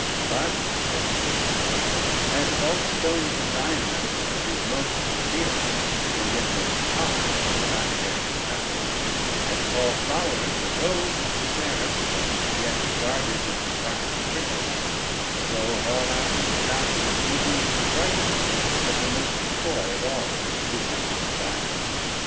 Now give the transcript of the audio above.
"But," quoth he, "as of all stones the diamond is most clearest, and yet most hard for the lapidary to cut: as of all flowers the rose is the fairest, and yet guarded with the sharpest prickles: so of all our country lasses Phoebe is the brightest, but the most coy of all to stoop unto desire.